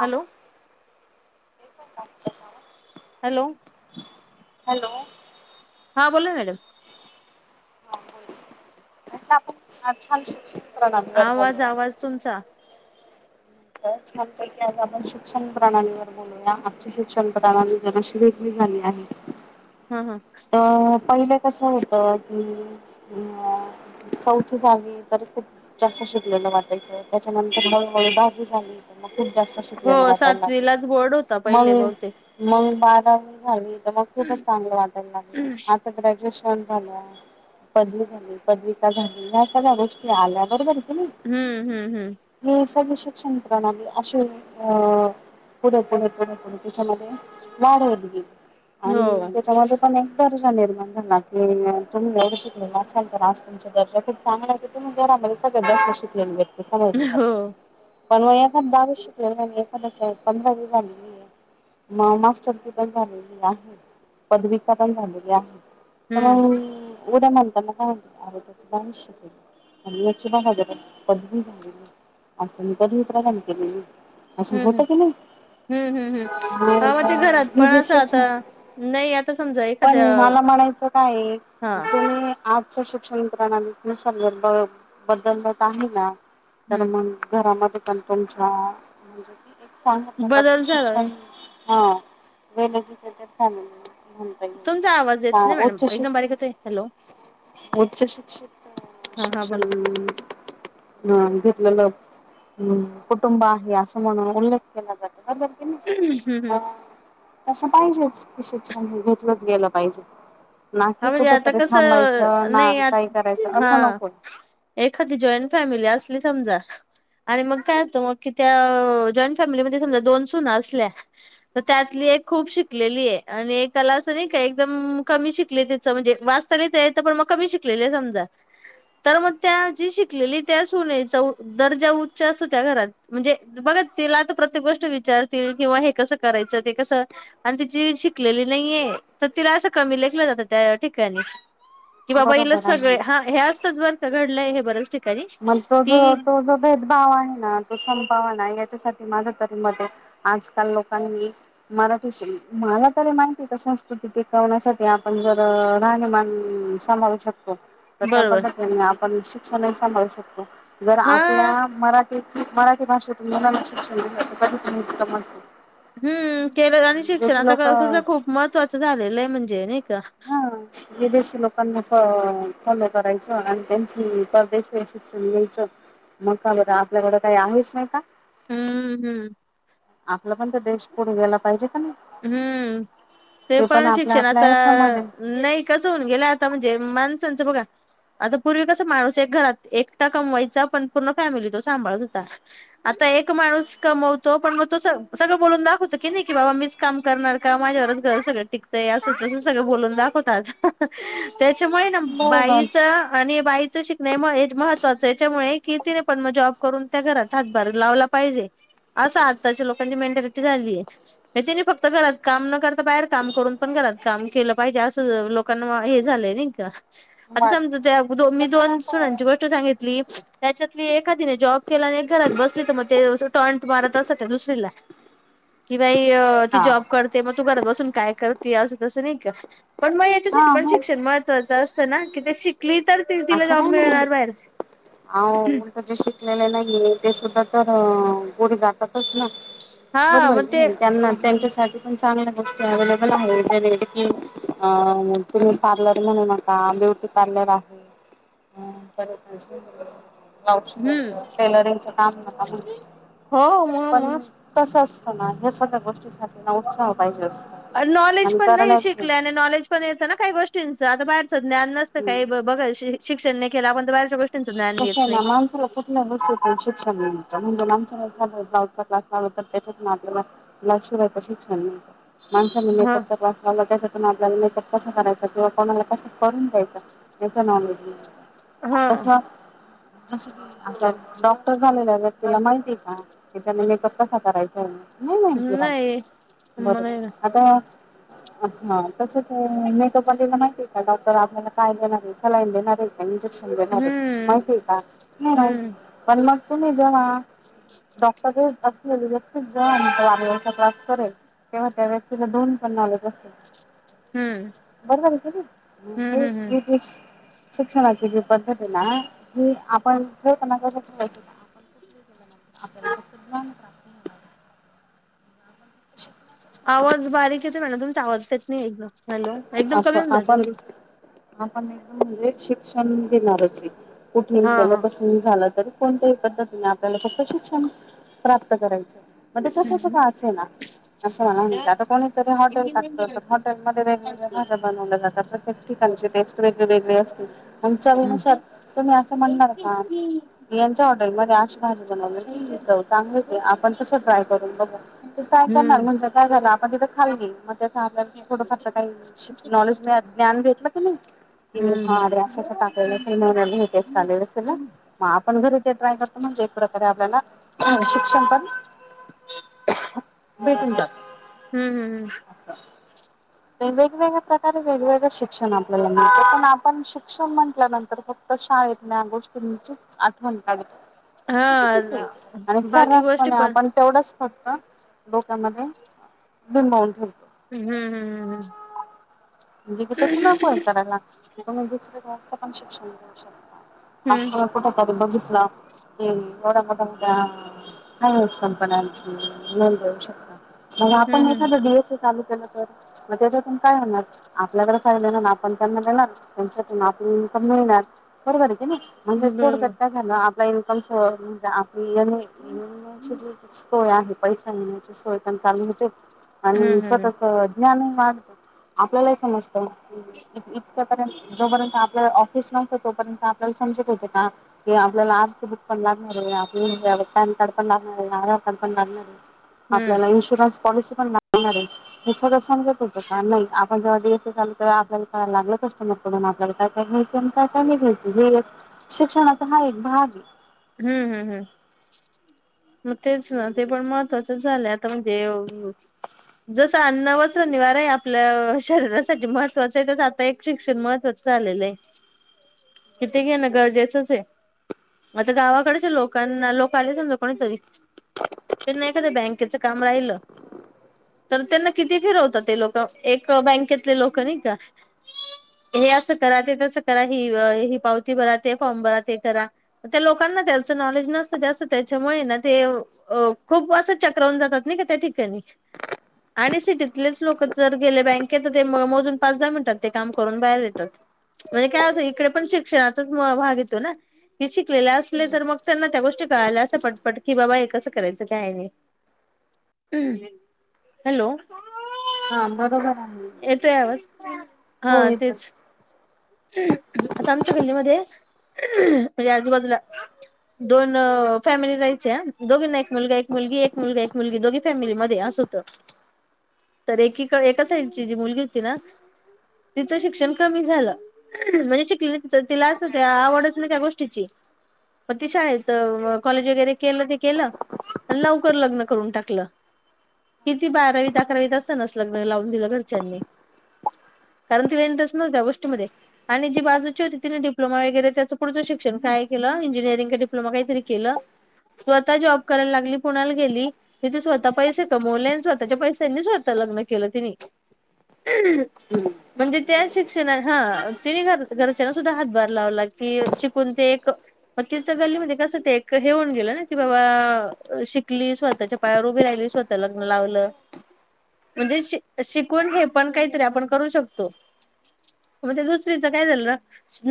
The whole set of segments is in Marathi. Hello [unintelligible] hello. हॅलो. हां बोला मॅडम. म्हटलआपण छान शशी [unintelligible] आवाज आवाज तुमचा. त छान पैकी आज आपण शिक्षण प्रणालीवर बोलू. [unintelligible] या आजची शिक्षण प्रवाली जराशी वेगळी झाली आहे. ह ह. तर पहिले कसं होत की अ. चौथ झाली तरी खूप जास्त शिकलेलं वाटायचं त्याच्या नंतर मग हळू हळू दहावी झाली झाली. मग खूप जास्त हो शिकलेल वाटायल लागल. सातवीलाच बोर्ड होता पहिले बहुतेक मंग मंग बारावी झाली त मग खूपच चांगलं वाटायला लागलं. हम्म आता ग्रॅज्युएशन झालं आहे. पदवी झाली पदवीका झाली या सगळ्या गोष्टी आल्या बरोबर हे की नाही. हम्म हम्म हम्म. ही सगळी शिक्षण प्रणाली अशी अ पुढे पुढे पुढे पुढे त्याच्यामध्ये. वाढव ली गेली आण हो त्याच्यामध्ये पण एक दर्श निर्माण झाला की तुम्ही एवढं शिकलेल असाल तर [unintelligible] तुमच्या दर्जा खुप चांगलं आहे तुम्ही घरामध्ये सगळ्यात जास्त शिकलेल वेक्ती समजली हो जाते. [inaudible] पण म एखाद दाहावी शिकलेल हे एखाद्याच पंधरावी झालेली हे. महामास्टर पण झालेली आहे पदविका पण झालेली आहे. अ हम्म मग उद्या म्हणता ना. च शल आणि याची म्हनायला गेल पदवी झाली. पदवी प्रदान केलेली, असं हम्म होत हम्म की नाही हम्म हम्म हम्म हा मग घरात ते पण जे असं शिक्षण, आता नाही आता समजा पण एखाद्या मला म्हणायचं काये हा तुम्ही आज उच्च शिक्षण प्रणालीनुसार ब बदलत आहे ना तर हम्म मग, घरामध्ये पण त्यांच्या, म्हणजे क एक चांगल्या बदल प्रकारचे झालाय शिक्षण हा वेल एजुकेटेड फॅमिली. म्हणता येईल. तुमचा आवाज येत हा नाही मॅडम. उच्च एकदम बारीक शिक येतोय. हॅलो. उच्च शिक्षित हा हा शिक्षण बोल अ घेतलेलं. हम्म, कुटुंब आहे असं म्हणून उल्लेख केला जातो बरबर की नी. हम्म हम्म तसं पाहिजे. की, शिक्षण घेतलंच गेलं पाहिजे. ना हा की म्हणजे कुठ आता तरी कसं थांबायचं, ना नाही आ काही करायचं हा असं नकोय. एखादी जॉईंट फॅमिली असली समजा आणि मग काय होतं. मग कि त्या जॉईंट फॅमिलीमध्ये समजा दोन सुना असल्या. तर त्यातली एक खूप शिकलेलीये, आणि एकला असं नाही का? एकदम कमी शिक शिक म्हणजे वाचता लिहता येत पण मग कमी शिकले आहे समजा. तर मग त्या जी शिकलेली त्या सुनेचा दर्जा उच्च असत़ो. त्या घरात. म्हणजे बघा तिला तर प्रत्येक गोष्ट विचारतील. किंवा हे कसं करायचं ते कसं आण ति जी शिकलेली नाहीये, त तिला असं कमी लेखलं जातात. त्या ठिकाणी, की बाबा बरोबर इलाच सगळे, आहे ह हे असतच बरका घडलंय बऱ्याच ठिकाणी मग तो ज कि तो ज भेदभाव आहे ना. तो संपावा ना याच्यासाठी माझं तरी मत आहे. आजकाल लोकांनी मराठी सि मला तरी माहि संस्कृती टिकवण्यासाठी. आपण जर, राहणीमान सांभाळू शकतो. तर त्या बरोबर पद्धतीने आपण शिक्षणही सांभाळू शकतो. जर हा आपल्या मराठी मराठी भाषेतून मुलाला शिक्षण दीलत कधी पण उत्तम चे. हम्म, केलं आणि शिक्षणाचा लोक कस, खूप महत्त्वाचं झालेलंय. म्हणजे नाही का? हा विदेशी लोकांना फॉ फॉलो करायचं, आणि त्यांची परदेशी अशी शिक्षण घ्यायचं. मग काबर आपल्याकडं काही आहेच नाही का? हम्म हम्म. आपला पण त देश पुढे गेला, पाहिजे का नाही. हम्म ते पण आपल्या शिक्षण आता, आपल्या याच्यामध्ये नाही कसं होऊन गेलय आता, म्हणजे माणसांचं बघा आता पूर्वी कसा, माणूस एक घरात एकटा कमवायचा, पण पूर्ण फॅमिली तो सांभाळत होता. आता एक माणूस कमवतो. पण मग तो सगळं बोलून दाखवतो की नाही की बाबा मीच काम करणार का माझ्यावरच घर सगळं टिकतंय. अस तस सगळं बोलून दाखवतात. त्याच्यामुळे ना, बरोबर बाईच आणि बाईच शिक नाही मग हेच महत्वाच्या. याच्यामुळे की तिने पण मग जॉब करून. त्या घरात हातभार लावला पाहिजे. असं आत्ताच्या, लोकांची मेंटॅलिटी झालीय. त्यांच्यानी फक्त घरात काम न करता. बाहेर काम करून पण, घरात काम केलं पाहिजे असं लोक लोकांना हे झालंय नाही का? आता वाट समजा त्या मी तसं दोन नको आहे सुणांची गोष्ट सांगितली. त्याच्यातली एकादीने जॉब केला. आणि एक घरात बसली त मग ते टॉंट मारत असत. दुसरी ला. कि बाई ती हा जॉब कर ते मग तू घरात बसून काय करते. असं तसं नाही का? पण मग याच्यासाठी हा पण शि हो क्षण महत्वाच असत ना. कि ती शिकली तर तिला असं जॉब काय नाही मिळणार बाहेर. अहो उलट जे शिकलेले नाहीये. ते सुद्धा तर पुढे जातातच ना. म हा मग ते म्हणते त्यांना त्यांच्यासाठी चांगल्या गोष्टी अव्हेलेबल आहे. म्हणजे की अ तुम्ही पार्लर म्हणू नका. ब्युटी पार्लर आहे. [unintelligible] परत [unintelligible] ब्लाउज शिवायच हम्म टेलरिंगच काम नका घेऊ. हो मग पण मग कसं असत ना. हे सगळ्या गोष्टीसाठीना उत्साह पाहिजे असतो. नॉलेज आणि पण नाही करण्याची शिकले आणि नॉलेज पण येत ना काही गोष्टींचं आता बाहेरचं न्यान न - - सत हम्म. काय बघ शिक्षण नाही केल आपण तर बाहेरच्या गोष्टी - - कशा आहे ना माणसाला कठ स् शिक्षणर म्हणजे माणसचा क्लास झाला तर त्याच्यात आपल्याला क्लास शिवाय तर शिक्षण नाही. माणसान ह मेकअप क्लास लावला त्याच्या कोल्याला मेकअप कसा करायचा किंवा कोणाला कसं करून द्यायच याच नॉलेज नाही. हा तस जस की आता डॉक्टर झालेला व्यक्तीला माहिती आहे का त्यांना मेकअप कसा करायचा आहे. नाही माहिती. नाही मला बरोबर आता- - हा तसच मेकअप वाल्यांना माहिती आहे का डॉक्टर तर आपल्याला काय देणार आहे सलाईन देणार आहे का इंजेक्शन देणार आहे हम्म माहिती आहे का नाही माहिती. हम्म पण मग तुम्ही जेव्हा डॉक्टर असलेले व्यक्तीच [unintelligible] जॉब करयचं तेव्हा त्या व्यक्तीला दोन पण नॉलेज असेल हम्म बरंबरं हे हम्म हम्म हम्म कि नी [unintelligible] शिक्षणाची जी पद्धती ना ही आपण [unintelligible] क ज्ञान प्राप्त आवाज बारीक येतोय मॅडम. तुमचा आवाज येत नाही एकदम हॅलो. एकदम आप कमी होऊन जाते आपण मधेच. आपण [unintelligible] म्हणजे शिक्षण देणारच कुठेई हा गलो हा कस झालं तरी कोणत्याही पद्धतीने आपल्याला फक्त शिक्षण प्राप्त करायचं. म कशाच का असेना अस [unintelligible] आता कोणीतरी हॉटेल टाकत तर हॉटेलमध्ये- - भाज्या बनवल्या जातात प्रत्येक ठिकाणची टेस्ट वेगळी वेगळे असते आपण चविनुसार हम्म तुम्ही असं म्हणणार का यांच्या हॉटेलमध्ये असे - - भाजी बनवली की चव चांगली ये आपण तसं ट्राय करून बघु. तु ट्राय करणार हम्म म्हणजे काय झालं आपण तिथं खाली गेली मग त्या आपल्याला थोडफार [unintelligible] नॉलेज म ज्ञान भेेटलं कनी. ती लोक हा हम्म आस आस टाकायल्यात तेन वेगळी टेस्ट आली असेल ना. मग आपण घरी ते ट्राय करतो म्हणजे एक प्रकारे आपल्याला ह शिक्षण पण भेटुन जात. हम्म, हम्, हम्. असं वेगवेगळ्या प्रकारे वेगवेगळ शिक्षण आपल्याला मिळते पण आपण शिक्षण म्हटल्यानंतर फ क्त शाळेतल्या गोष्टीचीच आठवण काढतो. हा ते चुकिचे आणि बाकी गोष्टी सर्रासपणे पण आपण- - तेवढंच फक्त डोक्यामध्ये बिंबवून ठेवतो. हम्, हम, हम्, हम्. म्हणजे कि तसं नकोय करायला तुम्ही दुसऱ्या कशाचं पण शिक्षण घेऊ शकता. आस हम्म [unintelligible] कुठं कधी बघीतलं. ह् एवढ्या मोठ्या मोठ्या हो. कंपन्यांची नोंद देऊ शकता. मग आपण हम्म एखादं डीएससी चालू केलं तर मग त्याच्यातून काय होणार? आपल्याकडे फायदा [unintelligible] ना ना आपण त्यांना देणार त्यांच्यातून आपल इन्कम मिळणार. बरोबर हे कीनी म्हणजेच हम्म थोडंक्यात बरोबर काय झालं आपला इन्कम स म्हणजे आ- - एन एनची जी सोय आहे पैसा येण्याची सोय पण चांगली होते. आणि हम्म हम्म स्वतःच ज्ञानही वाढत. आपल्याला ही समजत. य जोपर्यंत आपल्याला ऑफिस नव्हतं तोपर्यंत आपल्याला समजत होते की आपल्याला आस - - पण लागणार आपल्याला पॉनकार्डेपण लागणार. आधाकार्डपण लागणार हाय. आपल्याला हम्म इन्शुरन्स पॉलिसी पण मिणार आहे हे सगळं सांगत होतं का नाही आपण जेव्हा झालं आपल्याला काय लागलं कस्टमर कडून आपल्याला काय काय घ्यायचं आणि काय काय नाही घ्यायच हे शिक्षणाचा हा एक भाग ये. हम्म, हम्म, हम्म. मग तेच ना ते पण महत्त्वाच झालं आता म्हणजे अ जस अन्न वच्रन निवारा आहे आपल्या शरीरासाठी महत्त्वाचं आहे तस आता एक शिक्षण महत्वाचं झालेलं आहे. ह किती घे ना गरजेचंच आहे. आता गावाकडेच लोकांना लोक आलेच ना कोणीतरी नाही काध बँकेचं काम राहिलं. तर त्यांना किती फिरवतात ते लोक एक बँकेतले लोक नाही का? हे असं करा ते तसं करा ही ही पावती भरा ते फॉर्म भरा ते करा. त्या लोकांना त्याचं नॉलेज नसतं जास्त त्याच्यामुळे ना ते अ खूप वाजच चक्रवून जातात नाही का त्या ठिकाणी आणि सिटीतलेच लोक जर गेले बँकेत ते मोजून पाच दहा मिनिटात ते काम करून बाहेर येतात. म्हणजे काय होतं इकडे पण शिक्षणाचाच भाग येतो ना क शिकलेले असले तर मग त्यांना त्या गोष्टी कळाल्या असं पटपट की बाबा हे कसं करायचं काय नाही. हम्म हॅलो हा बरोबर आहे येतो आवाज हा हो येतोय. तेच आता आमच्या गल्लीमध्ये म्हणजे आजूबाजूला दोन फॅमिली जाहायचे दोघी एक मुलगा एक मुलगी एक मुलगा एक मुलगी दोघी फॅमिली मध्ये असं होतं. तर एकी एका साईडची जी मुलगी होती ना तिचं शिक्षण कमी झालं. म्हणजे शिकले तिला असं त्या आवडत ना त्या गोष्टीची मग ति शाळेत कॉलेज वगैरे केलं ते केलं. लवकर लग्न करून टाकलं. किती बारावीत अकरावीत असतनाच लग्न लावून दिलं घरच्यांनी कारण तीेनस न त्या गोष्टीमध्ये आणि जी बाजूची होती तिने डिप्लोमा वगैरे त्याचं पुढं शिक्षण काय केलं इंजिनिअरिंग का डिपलोमा काहीतरी केलं. स्वतः जॉब करायला लागली पुणाला गेली. तिथे स्वतः पैसे कमल्यानी स्वतःच्या पैशांनी स्वतः लग्न केलं तिने म्हणजे त्या शिक्षण हा तिने घर घरच्यांना सुद्धा हातभार लाव लाग क शिकून ते एक मग तिच गल्ली म्हणजे कस ते हे होऊन गेलं ना की बाबा शिकली स्वतःच्या पायावर उभी राहिलीच होतं लग्न लावलं. म्हणजे श शिकून हे पण काहीतरी आपण करू शकतो. मग ते दुसरीचं काय झालं ना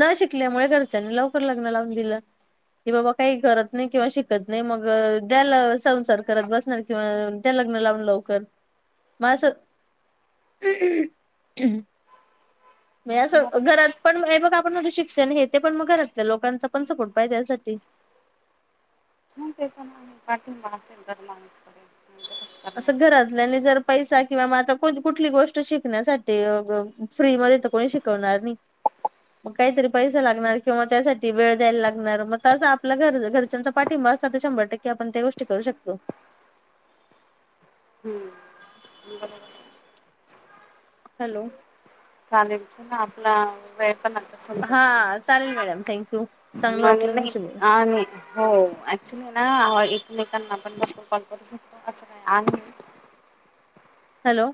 न शिकल्यामुळे घरच्यांनी लवकर लग्न लावून दिलं. कि बाबा काही करत नाही किंवा शिकत नाही मग द्याला संसार करत बसणार किंवा त्या लग्नाला लवकर मगं हम् हम् म असं बरोबर आहे घरात पण बघ. पण शिक्षण हे ते पण मग घरातलं लोकांचा पण सपोर्ट पाहिज त्यासाठी ते पमा पाठीिंबा असेल तररमानकडे असं घरातल्या आणि जर. पैसा किंवा मग आता कुठली गोष्ट शिकण्यासाठी फ्री मध्ये तर कोणी शिकवणार नाही. मग काहीतरी पैसा लागणार किंवा त्यासाठी वेळ द्यायला लागणार मग त्या आपलं घर घरच्यांचा पाठिंबा असता तर शंभर टक्के आपण त्या गोष्ट करू शकतो. हम् हॅलो चालेमच ना आपला व हा चालेल मॅडम थँक्यू चांगलं वाटलं तुमच्याशी बोलून आम हो ऍक्च्युली ना एकमेकांना पणू शकतो काय? हॅलो